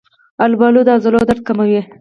آلوبالو د عضلو درد کموي.